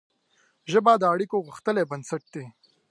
ژبه د اړیکو غښتلی بنسټ دی